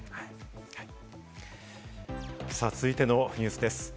続いてのニュースです。